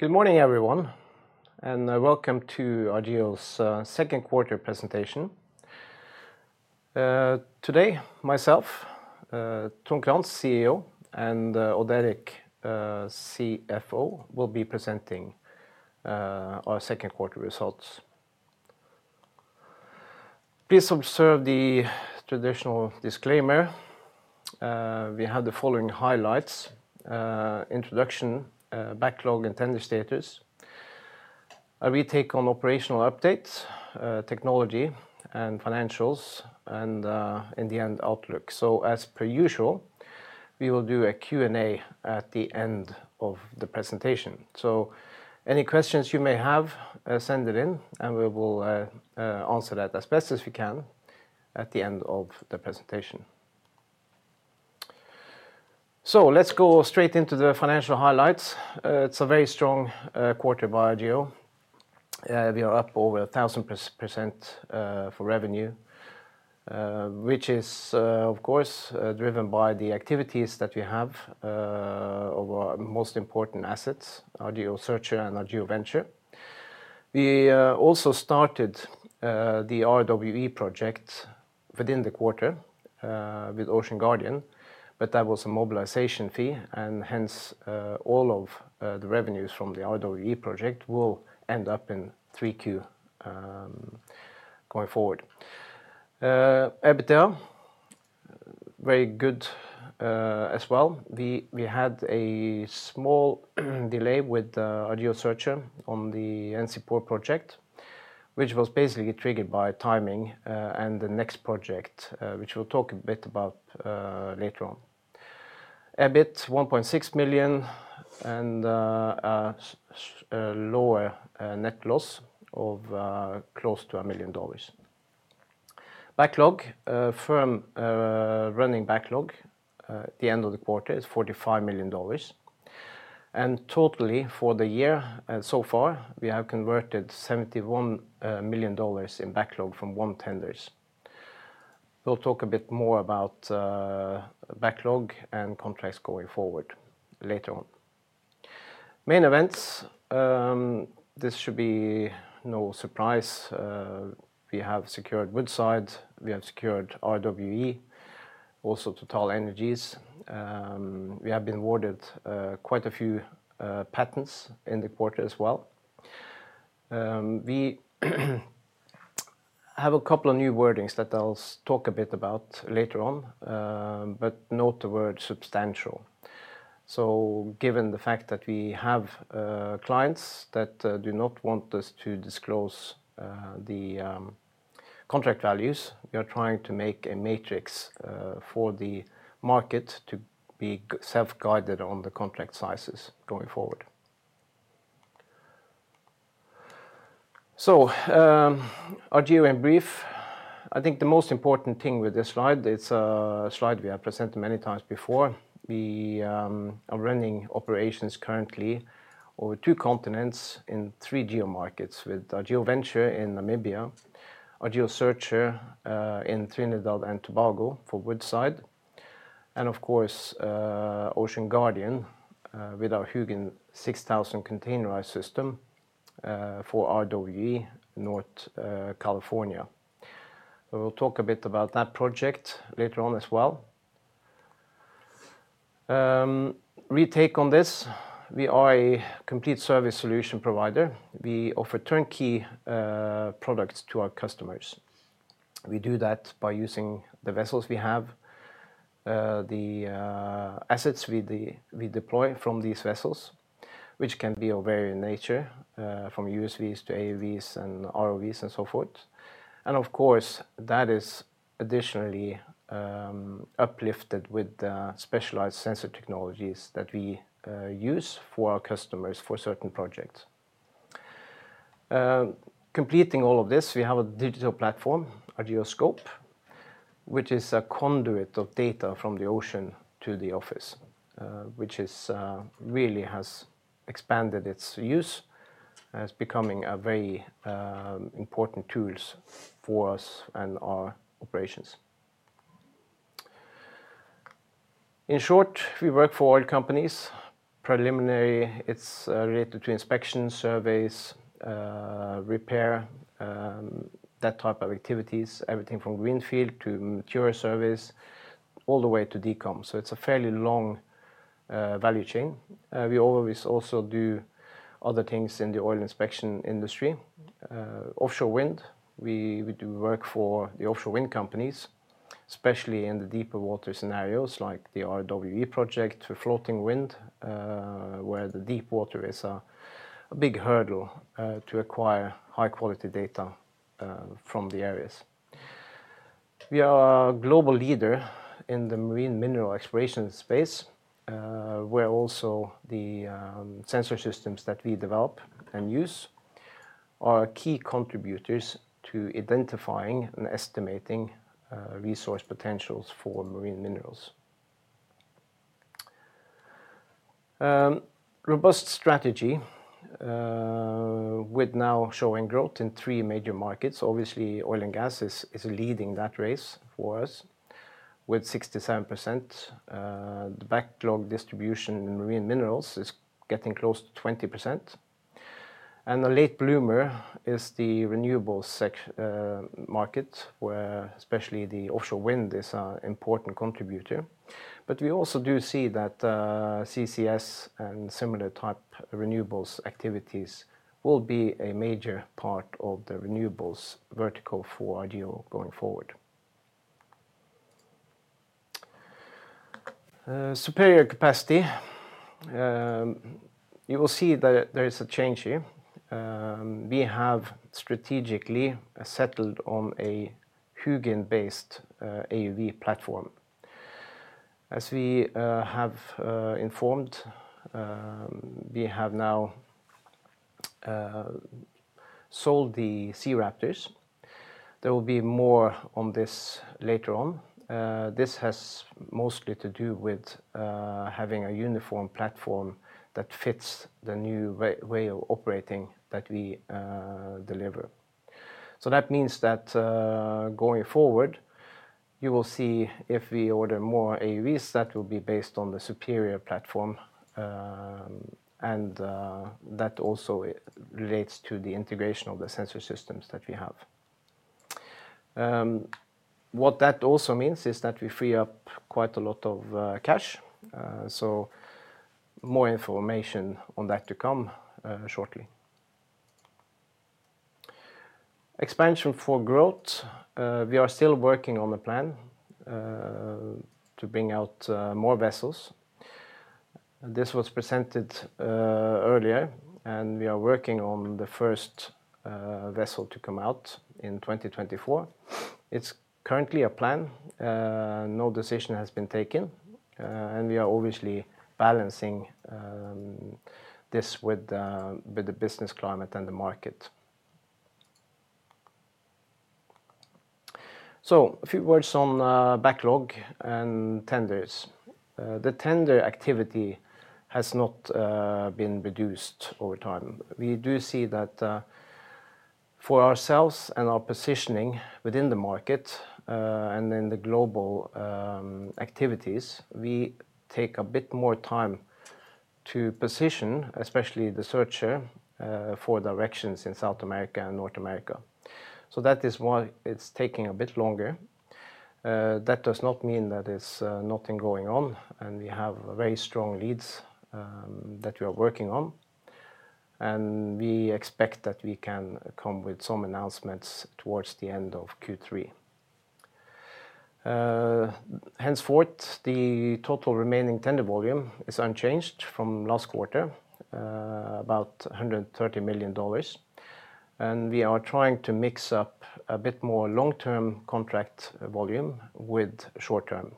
Good morning, everyone, and welcome to Argeo's second quarter presentation. Today, myself, Trond Crantz, CEO, and Odd Erik, CFO, will be presenting our second quarter results. Please observe the traditional disclaimer. We have the following highlights: introduction, backlog and tender status, a retake on operational updates, technology and financials, and in the end, outlook. So as per usual, we will do a Q&A at the end of the presentation. So any questions you may have, send it in, and we will answer that as best as we can at the end of the presentation. So let's go straight into the financial highlights. It's a very strong quarter by Argeo. We are up over 1,000% for revenue, which is, of course, driven by the activities that we have of our most important assets, Argeo Searcher and Argeo Venture. We also started the RWE project within the quarter, with Ocean Guardian, but that was a mobilization fee, and hence, all of the revenues from the RWE project will end up in Q3, going forward. EBITDA, very good, as well. We had a small delay with Argeo Searcher on the NCPOR project, which was basically triggered by timing, and the next project, which we'll talk a bit about, later on. EBIT, 1.6 million, and a lower net loss of close to $1 million. Backlog, firm running backlog at the end of the quarter is $45 million, and totally for the year, and so far, we have converted $71 million in backlog from won tenders. We'll talk a bit more about backlog and contracts going forward later on. Main events, this should be no surprise. We have secured Woodside, we have secured RWE, also TotalEnergies. We have a couple of new awards that I'll talk a bit about later on, but note the word substantial. So given the fact that we have clients that do not want us to disclose the contract values, we are trying to make a matrix for the market to be self-guided on the contract sizes going forward. Argeo in brief, I think the most important thing with this slide, it's a slide we have presented many times before. We are running operations currently over two continents in three geomarkets, with Argeo Venture in Namibia, Argeo Searcher in Trinidad and Tobago for Woodside, and of course, Ocean Guardian with our Hugin 6000 containerized system for RWE, North California. We will talk a bit about that project later on as well. Take on this, we are a complete service solution provider. We offer turnkey products to our customers. We do that by using the vessels we have, the assets we deploy from these vessels, which can be of varying nature, from USVs to AUVs and ROVs and so forth. Of course, that is additionally uplifted with the specialized sensor technologies that we use for our customers for certain projects. Completing all of this, we have a digital platform, Argeo Scope, which is a conduit of data from the ocean to the office, which really has expanded its use as becoming a very important tools for us and our operations. In short, we work for oil companies. Preliminary, it's related to inspection surveys, repair, that type of activities, everything from greenfield to mature service, all the way to decom. So it's a fairly long value chain. We always also do other things in the oil inspection industry. Offshore wind, we do work for the offshore wind companies, especially in the deeper water scenarios, like the RWE project, to floating wind, where the deep water is a big hurdle to acquire high-quality data from the areas. We are a global leader in the marine mineral exploration space, where also the sensor systems that we develop and use are key contributors to identifying and estimating resource potentials for marine minerals. Robust strategy with now showing growth in three major markets. Obviously, oil and gas is leading that race for us with 67%. The backlog distribution in marine minerals is getting close to 20%, and the late bloomer is the renewables sector market, where especially the offshore wind is a important contributor. But we also do see that, CCS and similar type renewables activities will be a major part of the renewables vertical for Argeo going forward. Superior capacity. You will see that there is a change here. We have strategically settled on a Hugin-based AUV platform. As we have informed, we have now sold the SeaRaptors. There will be more on this later on. This has mostly to do with having a uniform platform that fits the new way of operating that we deliver. So that means that going forward, you will see if we order more AUVs, that will be based on the superior platform, and that also relates to the integration of the sensor systems that we have. What that also means is that we free up quite a lot of cash, so more information on that to come shortly. Expansion for growth. We are still working on the plan to bring out more vessels. This was presented earlier, and we are working on the first vessel to come out in 2024. It's currently a plan, no decision has been taken, and we are obviously balancing this with the business climate and the market. A few words on backlog and tenders. The tender activity has not been reduced over time. We do see that, for ourselves and our positioning within the market, and in the global activities, we take a bit more time to position, especially the Searcher, for directions in South America and North America. So that is why it's taking a bit longer. That does not mean that it's nothing going on, and we have very strong leads, that we are working on, and we expect that we can come with some announcements towards the end of Q3. Henceforth, the total remaining tender volume is unchanged from last quarter, about $130 million, and we are trying to mix up a bit more long-term contract volume with short-term,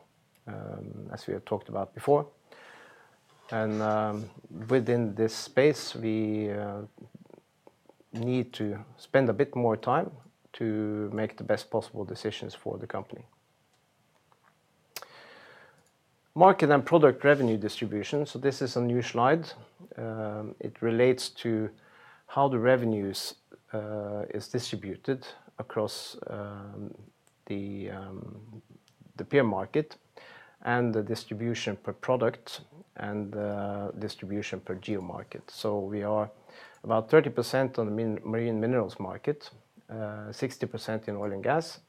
as we have talked about before. Within this space, we need to spend a bit more time to make the best possible decisions for the company. Market and product revenue distribution. This is a new slide. It relates to how the revenues is distributed across the E&P market and the distribution per product and distribution per geo market. We are about 30% on the marine minerals market, 60% in oil and gas.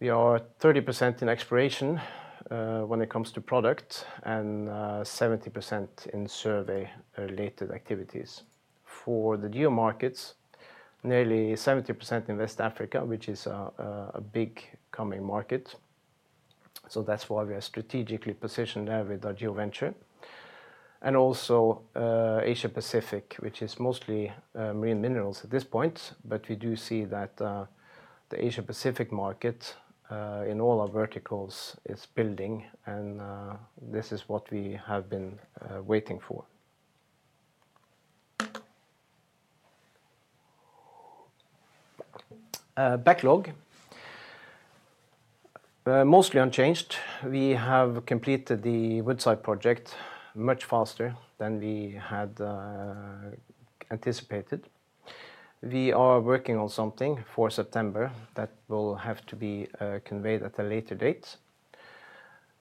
We are 30% in exploration, when it comes to product and 70% in survey-related activities. For the geo markets, nearly 70% in West Africa, which is a big coming market. That's why we are strategically positioned there with our Argeo Venture. Also, Asia Pacific, which is mostly marine minerals at this point. But we do see that, the Asia Pacific market, in all our verticals is building, and, this is what we have been, waiting for. Backlog. Mostly unchanged. We have completed the Woodside project much faster than we had, anticipated. We are working on something for September that will have to be, conveyed at a later date.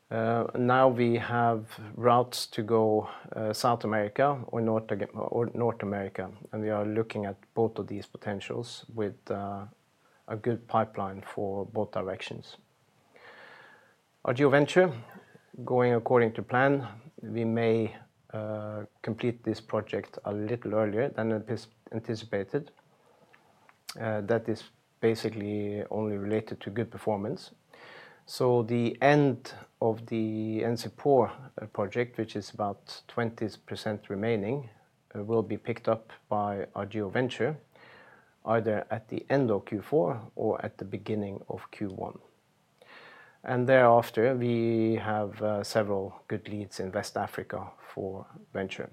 Now we have routes to go, South America or North America, and we are looking at both of these potentials with a, a good pipeline for both directions. Our Argeo Venture, going according to plan, we may, complete this project a little earlier than anticipated. That is basically only related to good performance. The end of the NCPOR project, which is about 20% remaining, will be picked up by our Argeo Venture, either at the end of Q4 or at the beginning of Q1. Thereafter, we have several good leads in West Africa for Venture.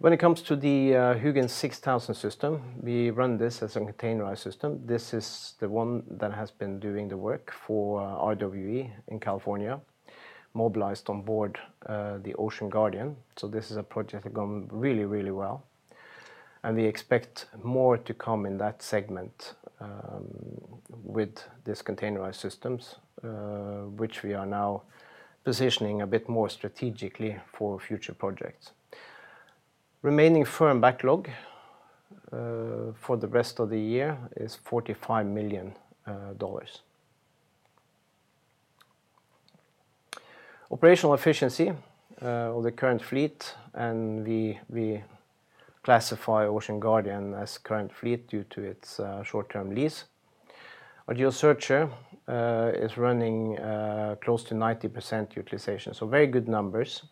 When it comes to the Hugin 6000 system, we run this as a containerized system. This is the one that has been doing the work for RWE in California, mobilized on board the Ocean Guardian. This is a project that gone really, really well, and we expect more to come in that segment with this containerized systems, which we are now positioning a bit more strategically for future projects. Remaining firm backlog for the rest of the year is $45 million. Operational efficiency of the current fleet, and we classify Ocean Guardian as current fleet due to its short-term lease. Argeo Searcher is running close to 90% utilization, so very good numbers.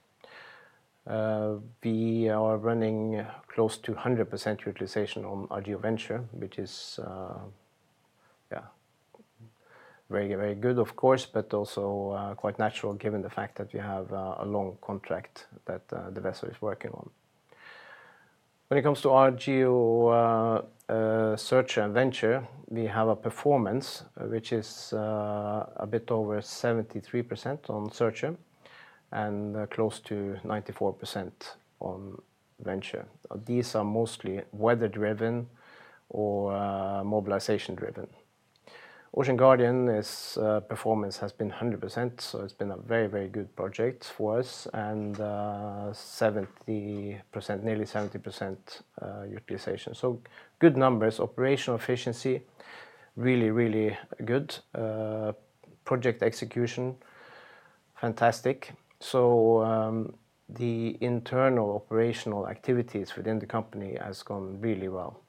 We are running close to 100% utilization on Argeo Venture, which is, yeah, very, very good, of course, but also quite natural given the fact that we have a long contract that the vessel is working on. When it comes to Argeo Searcher and Venture, we have a performance which is a bit over 73% on Searcher and close to 94% on Venture. These are mostly weather driven or mobilization driven. Ocean Guardian, its performance has been 100%, so it's been a very, very good project for us, and nearly 70% utilization. Good numbers. Operational efficiency, really, really good. Project execution, fantastic. The internal operational activities within the company has gone really well.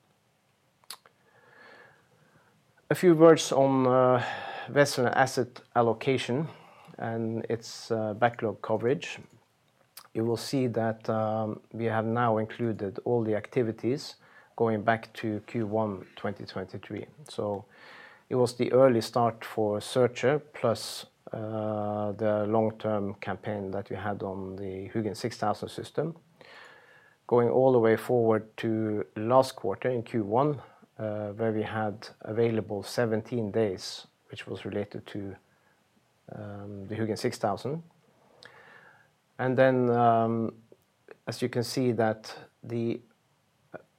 A few words on vessel asset allocation and its backlog coverage. You will see that we have now included all the activities going back to Q1 2023. It was the early start for Searcher, plus the long-term campaign that we had on the Hugin 6000 system. Going all the way forward to last quarter in Q1, where we had available 17 days, which was related to the Hugin 6000. Then, as you can see that the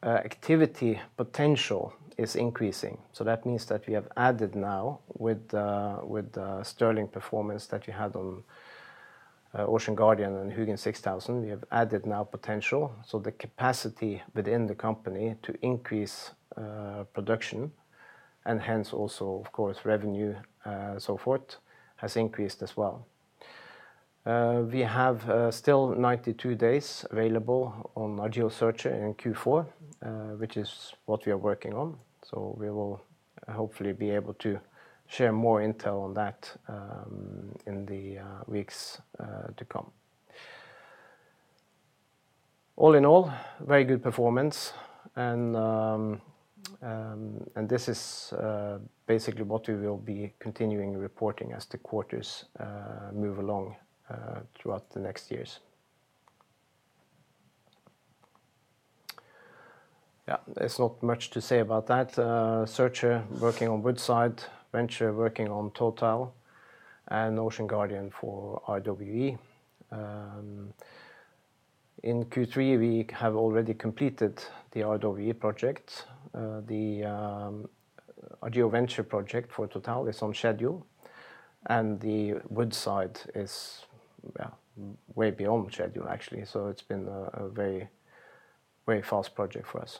activity potential is increasing. That means that we have added now with the sterling performance that we had on Ocean Guardian and Hugin 6000, we have added now potential. So the capacity within the company to increase production, and hence also, of course, revenue, so forth, has increased as well. We have still 92 days available on Argeo Searcher in Q4, which is what we are working on. So we will hopefully be able to share more intel on that in the weeks to come. All in all, very good performance, and this is basically what we will be continuing reporting as the quarters move along throughout the next years. Yeah, there's not much to say about that. Searcher working on Woodside, Venture working on Total, and Ocean Guardian for RWE. In Q3, we have already completed the RWE project. The Argeo Venture project for Total is on schedule, and the Woodside is way beyond schedule, actually. It's been a very, very fast project for us.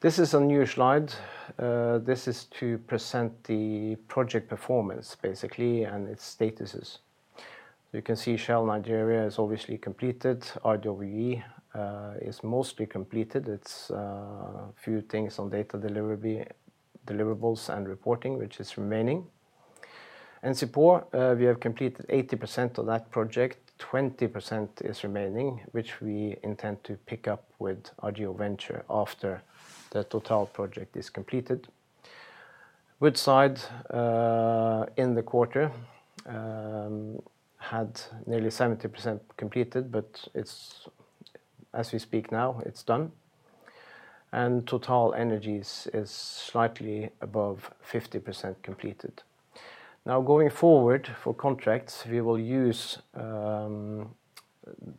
This is a new slide. This is to present the project performance, basically, and its statuses. You can see Shell Nigeria is obviously completed. RWE is mostly completed. It's a few things on data deliverable, deliverables and reporting, which is remaining. And SIPA, we have completed 80% of that project. 20% is remaining, which we intend to pick up with Argeo Venture after the Total project is completed. Woodside in the quarter had nearly 70% completed, but it's... As we speak now, it's done. And Total Energies is slightly above 50% completed. Now, going forward for contracts, we will use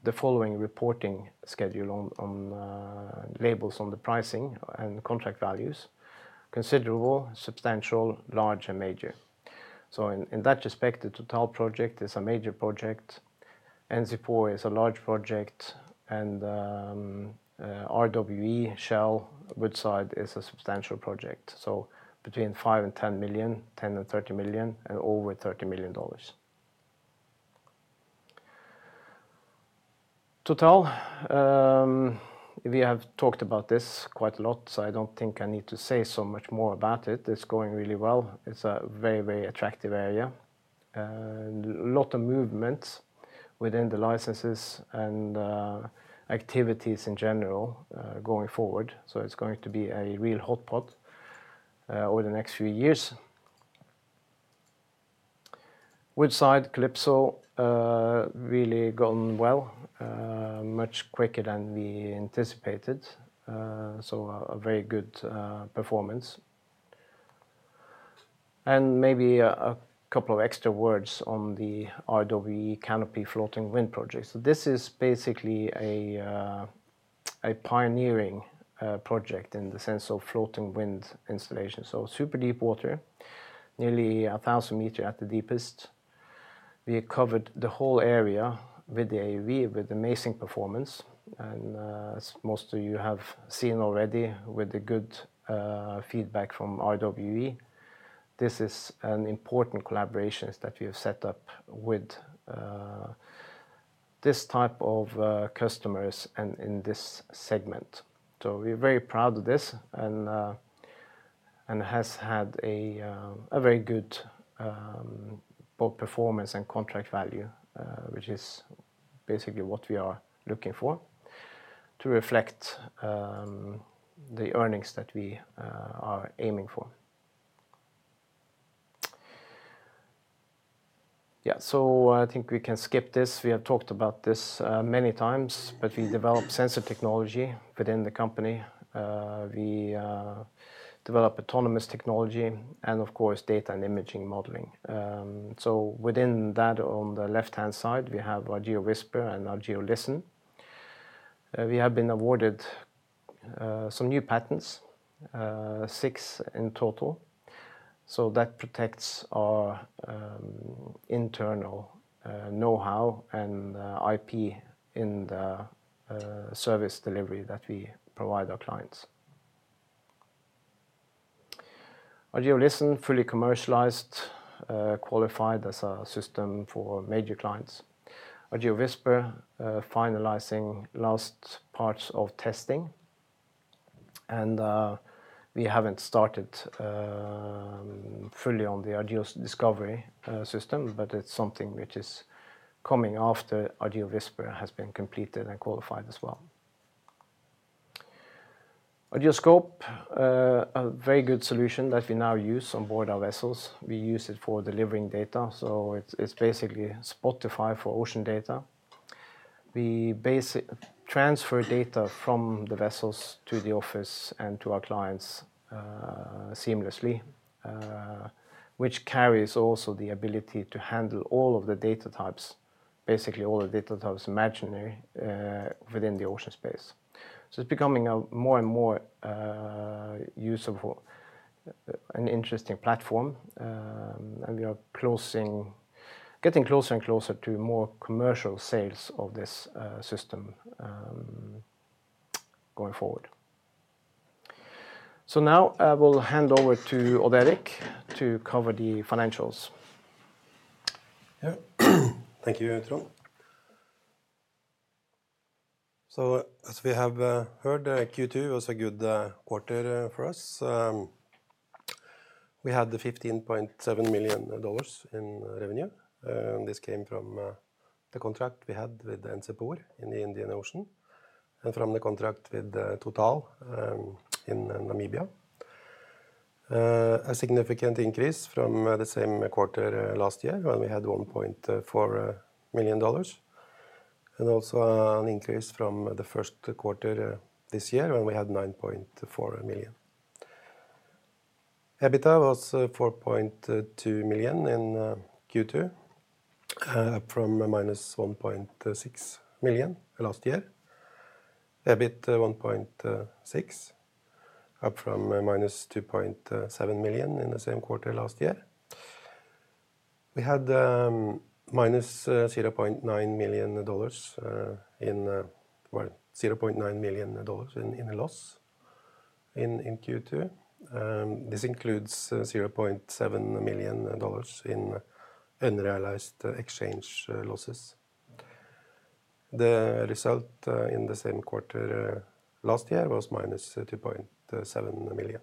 the following reporting schedule on labels on the pricing and contract values: considerable, substantial, large, and major. So in that respect, the Total project is a major project, and SIPA is a large project, and RWE, Shell, Woodside is a substantial project. So between $5-$10 million, $10-$30 million, and over $30 million. Total, we have talked about this quite a lot, so I don't think I need to say so much more about it. It's going really well. It's a very, very attractive area, and a lot of movement within the licenses and activities in general going forward. So it's going to be a real hot spot over the next few years. Woodside Calypso really gone well, much quicker than we anticipated. So a very good performance. And maybe a couple of extra words on the RWE Canopy floating wind project. This is basically a pioneering project in the sense of floating wind installation. Super deep water, nearly a thousand meters at the deepest. We covered the whole area with the AUV with amazing performance, and as most of you have seen already, with the good feedback from RWE. This is an important collaboration that we have set up with this type of customers and in this segment. We're very proud of this, and it has had a very good both performance and contract value, which is basically what we are looking for to reflect the earnings that we are aiming for. Yeah, so I think we can skip this. We have talked about this many times, but we develop sensor technology within the company. We develop autonomous technology and of course, data and imaging modeling. So within that, on the left-hand side, we have our Argeo Whisper and our Argeo Listen. We have been awarded some new patents, six in total, so that protects our internal know-how and IP in the service delivery that we provide our clients. Argeo Listen, fully commercialized, qualified as a system for major clients. Argeo Whisper, finalizing last parts of testing, and we haven't started fully on the Argeo Discovery system, but it's something which is coming after Argeo Whisper has been completed and qualified as well. Argeo Scope, a very good solution that we now use on board our vessels. We use it for delivering data, so it's basically Spotify for ocean data. We basically transfer data from the vessels to the office and to our clients seamlessly, which carries also the ability to handle all of the data types, basically all the data types imaginable, within the ocean space. So it's becoming a more and more useful, an interesting platform. And we are getting closer and closer to more commercial sales of this system, going forward. So now I will hand over to Odd Erik to cover the financials. Yeah. Thank you, Trond. So as we have heard, Q2 was a good quarter for us. We had the $15.7 million in revenue, and this came from the contract we had with the NCPOR in the Indian Ocean, and from the contract with the Total in Namibia. A significant increase from the same quarter last year when we had $1.4 million, and also an increase from the first quarter this year when we had $9.4 million. EBITDA was $4.2 million in Q2, from a -$1.6 million last year. EBIT $1.6 million, up from a -$2.7 million in the same quarter last year. We had minus $0.9 million in loss in Q2. This includes $0.7 million in unrealized exchange losses. The result in the same quarter last year was minus $2.7 million.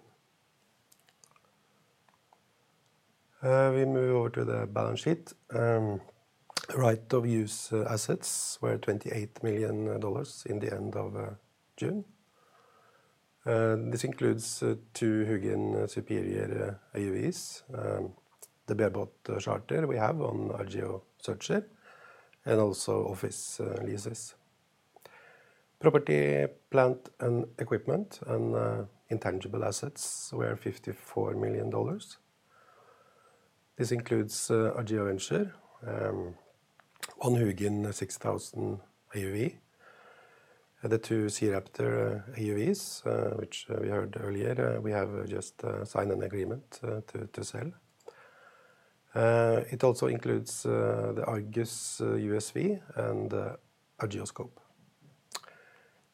We move over to the balance sheet. Right of use assets were $28 million in the end of June. This includes two Hugin Superior AUVs, the bareboat charter we have on our Argeo Searcher and also office leases. Property, plant and equipment and intangible assets were $54 million. This includes Argeo Venture, one Hugin 6000 AUV, and the two SeaRaptor AUVs, which we heard earlier. We have just signed an agreement to sell. It also includes the Argus USV and our Argeo Scope.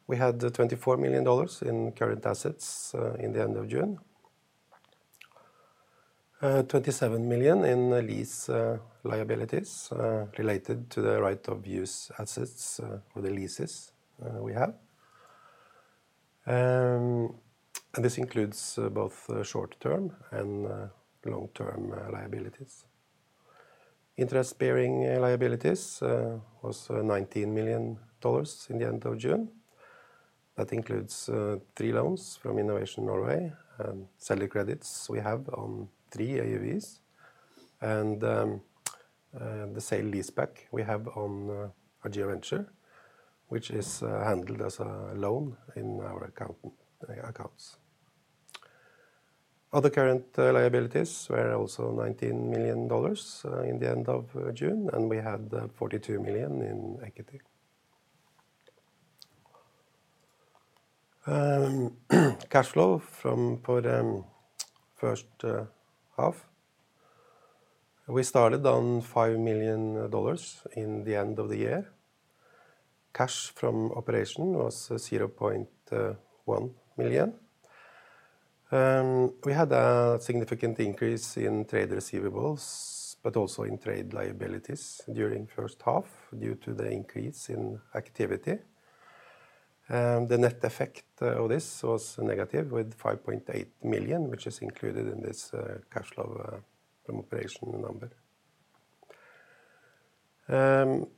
We had $24 million in current assets in the end of June. Twenty-seven million in lease liabilities related to the right of use assets with the leases we have. And this includes both the short-term and long-term liabilities. Interest-bearing liabilities was $19 million in the end of June. That includes three loans from Innovation Norway, and seller credits we have on three AUVs... and the sale leaseback we have on our Argeo Venture, which is handled as a loan in our accounts. Other current liabilities were also $19 million in the end of June, and we had $42 million in equity. Cash flow from for first half. We started on $5 million at the end of the year. Cash from operations was $0.1 million. We had a significant increase in trade receivables, but also in trade liabilities during first half, due to the increase in activity. The net effect of this was negative, with $5.8 million, which is included in this cash flow from operational number.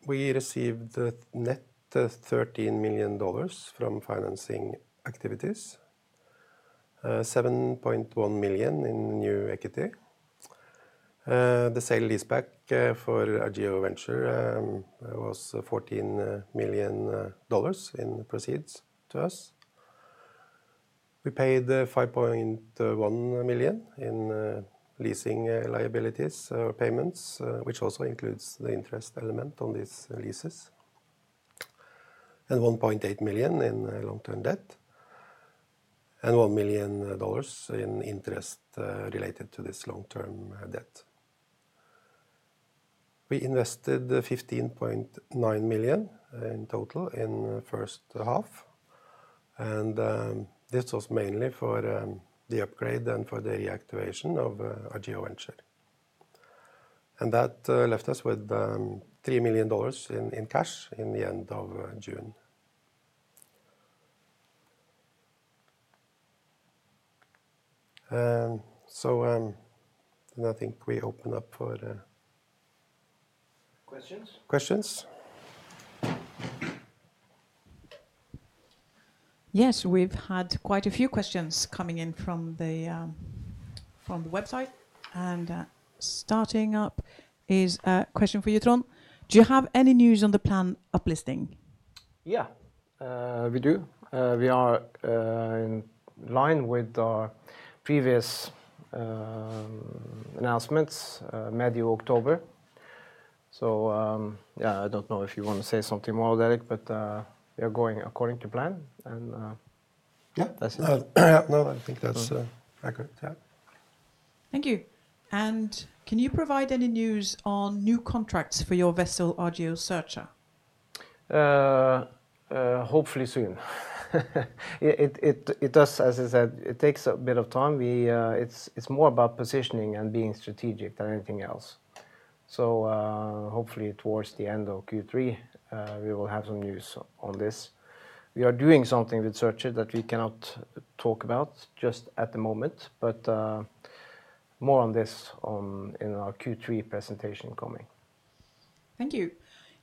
We received a net $13 million from financing activities. $7.1 million in new equity. The sale leaseback for our Argeo Venture was $14 million in proceeds to us. We paid $5.1 million in leasing liabilities payments, which also includes the interest element on these leases. $1.8 million in long-term debt, and $1 million in interest related to this long-term debt. We invested $15.9 million in total in the first half, and this was mainly for the upgrade and for the reactivation of our Argeo Venture. And that left us with $3 million in cash at the end of June. And so, and I think we open up for the- Questions? Questions. Yes, we've had quite a few questions coming in from the website. Starting up is a question for you, Trond. Do you have any news on the planned uplisting? Yeah, we do. We are in line with our previous announcements, mid-October. So, yeah, I don't know if you want to say something more, Derek, but we are going according to plan, and- Yeah. That's it. Yeah, no, I think that's accurate. Yeah. Thank you. And can you provide any news on new contracts for your vessel, Argeo Searcher? Hopefully soon. It does as I said, it takes a bit of time. It's more about positioning and being strategic than anything else. So, hopefully towards the end of Q3, we will have some news on this. We are doing something with Searcher that we cannot talk about just at the moment, but more on this in our Q3 presentation coming. Thank you.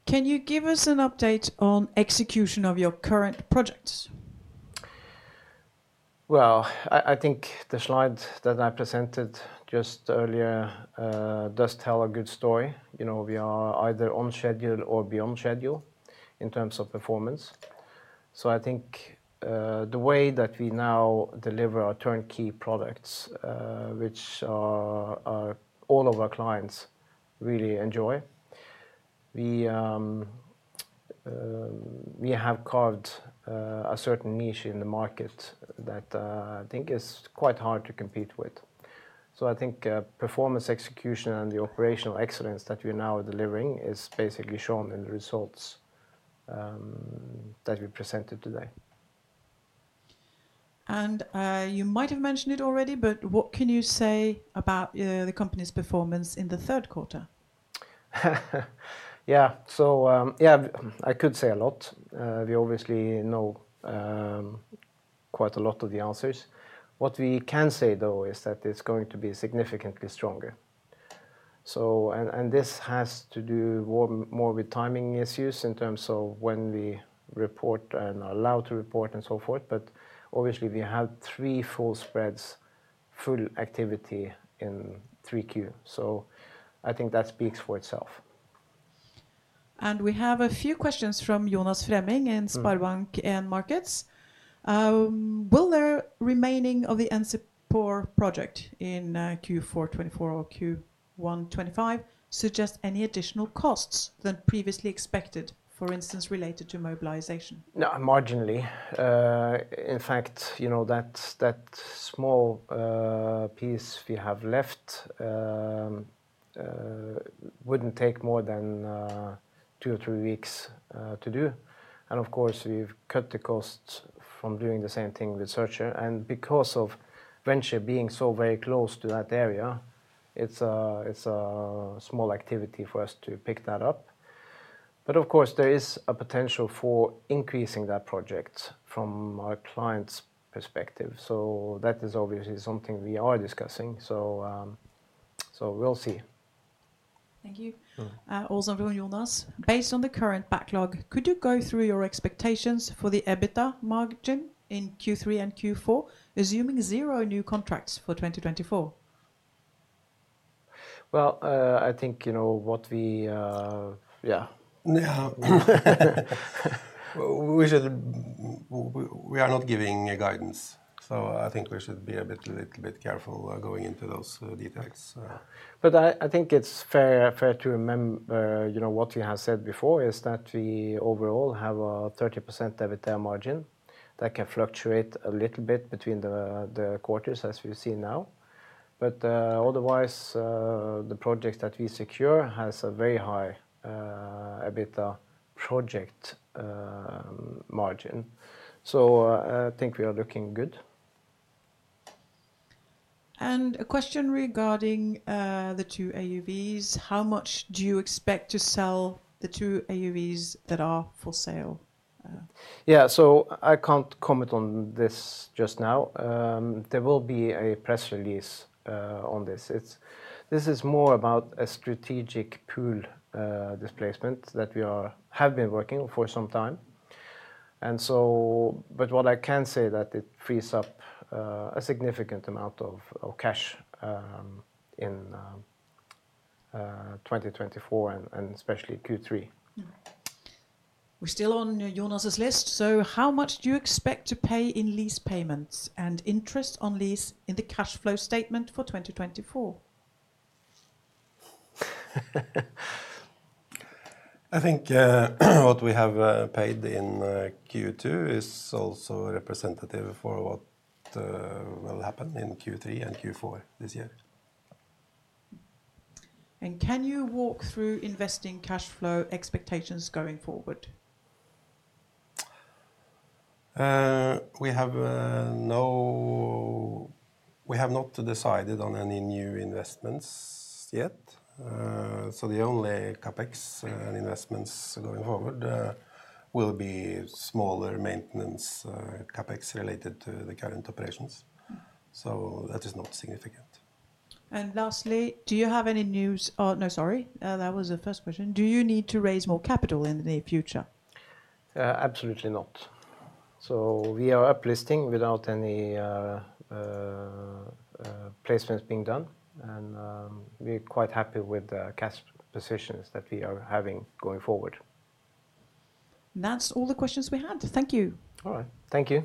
Can you give us an update on execution of your current projects? Well, I think the slide that I presented just earlier does tell a good story. You know, we are either on schedule or beyond schedule in terms of performance. So I think the way that we now deliver our turnkey products, which all of our clients really enjoy, we have carved a certain niche in the market that I think is quite hard to compete with. So I think performance, execution, and the operational excellence that we are now delivering is basically shown in the results that we presented today. You might have mentioned it already, but what can you say about the company's performance in the third quarter? Yeah, so yeah, I could say a lot. We obviously know quite a lot of the answers. What we can say, though, is that it's going to be significantly stronger, and this has to do more with timing issues in terms of when we report and are allowed to report and so forth, but obviously, we have three full spreads, full activity in 3Q. I think that speaks for itself. And we have a few questions from Jonas Fremming in- Mm... SpareBank 1 Markets. Will the remaining of the NCPOR project in Q4 2024 or Q1 2025 suggest any additional costs than previously expected, for instance, related to mobilization? No, marginally. In fact, you know, that small piece we have left wouldn't take more than two or three weeks to do. And of course, we've cut the costs from doing the same thing with Searcher. And because of Venture being so very close to that area, it's a small activity for us to pick that up. But of course, there is a potential for increasing that project from our client's perspective. So that is obviously something we are discussing. So we'll see. ... Thank you. Also, Jonas, based on the current backlog, could you go through your expectations for the EBITDA margin in Q3 and Q4, assuming zero new contracts for twenty twenty-four? I think, you know, what we... Yeah. Yeah. We are not giving a guidance, so I think we should be a bit, little bit careful going into those details. But I think it's fair to remember, you know, what we have said before, is that we overall have a 30% EBITDA margin that can fluctuate a little bit between the quarters, as we see now. But, otherwise, the projects that we secure has a very high EBITDA project margin. So, I think we are looking good. A question regarding the two AUVs: how much do you expect to sell the two AUVs that are for sale? Yeah, so I can't comment on this just now. There will be a press release on this. This is more about a strategic pool displacement that we have been working for some time. But what I can say, that it frees up a significant amount of cash in 2024 and especially Q3. Mm-hmm. We're still on Jonas' list. So how much do you expect to pay in lease payments and interest on lease in the cash flow statement for 2024? I think, what we have paid in Q2 is also representative for what will happen in Q3 and Q4 this year. Can you walk through investing cash flow expectations going forward? We have not decided on any new investments yet. So the only CapEx investments going forward will be smaller maintenance CapEx related to the current operations. Mm-hmm. So that is not significant. No, sorry, that was the first question. Do you need to raise more capital in the near future? Absolutely not, so we are uplisting without any placements being done, and we're quite happy with the cash positions that we are having going forward. That's all the questions we had. Thank you. All right. Thank you.